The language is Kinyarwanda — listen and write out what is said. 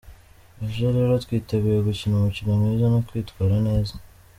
Ejo rero twiteguye gukina umukino mwiza no kwitwara neza”.